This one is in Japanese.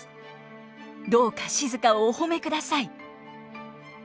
どうか静をお褒めください」。